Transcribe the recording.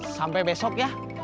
sampai besok ya